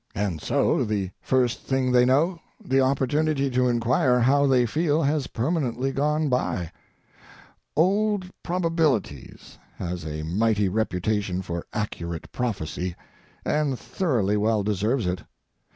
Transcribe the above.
And so the first thing they know the opportunity to inquire how they feel has permanently gone by. Old Probabilities has a mighty reputation for accurate prophecy, and thoroughly well deserves it.